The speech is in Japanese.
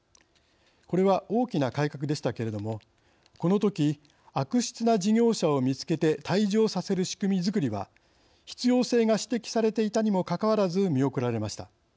これは大きな改革でしたけれどもこのとき悪質な事業者を見つけて退場させる仕組みづくりは必要性が指摘されていたにもかかわらず見送られました。